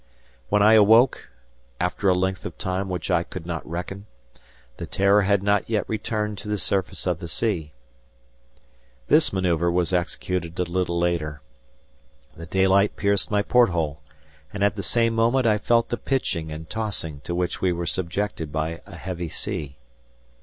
When I awoke, after a length of time which I could not reckon, the "Terror" had not yet returned to the surface of the sea. This maneuver was executed a little later. The daylight pierced my porthole; and at the same moment I felt the pitching and tossing to which we were subjected by a heavy sea.